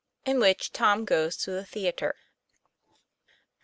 IN WHICH TOM GOES TO THE THE A TRE.